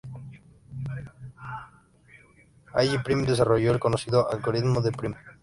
Allí Prim desarrolló el conocido Algoritmo de Prim.